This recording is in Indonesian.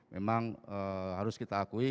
memang harus kita akui